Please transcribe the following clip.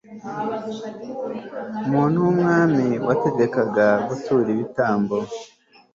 umuntu w'umwami wategekaga gutura ibitambo